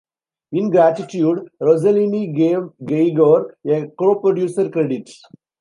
In gratitude, Rosselini gave Geiger a coproducer credit.